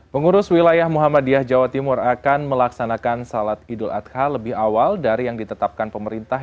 pengurus wilayah muhammadiyah jawa timur akan melaksanakan salat idul adha lebih awal dari yang ditetapkan pemerintah